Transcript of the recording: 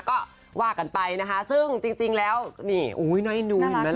ก็ว่ากันไปนะคะซึ่งจริงแล้วนี่น้าเอ็นดูอีกไหมละ